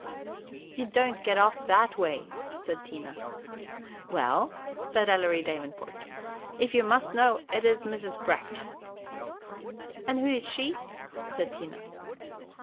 "You don't get off that way," said Tina. "Well," said Ellery Davenport, "if you must know, it 's Mrs. Breck." "And who is she?" said Tina.